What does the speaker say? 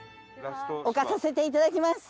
置かさせていただきます。